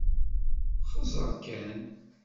Xezzeṛ kan.